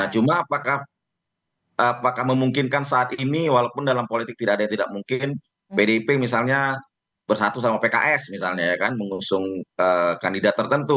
cuma apakah memungkinkan saat ini walaupun dalam politik tidak ada yang tidak mungkin pdip misalnya bersatu sama pks misalnya ya kan mengusung kandidat tertentu